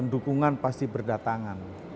dukungan pasti berdatangan